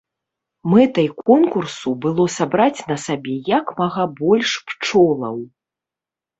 Мэтай конкурсу было сабраць на сабе як мага больш пчолаў.